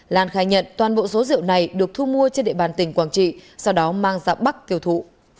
lan khai nhận toàn bộ số rượu này được thu mua trên địa bàn tỉnh quảng trị sau đó mang ra bắc tiêu thụ